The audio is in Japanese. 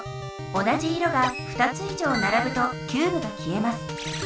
同じ色が２つ以上ならぶとキューブがきえます。